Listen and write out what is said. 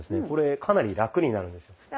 これかなりラクになるんですよ。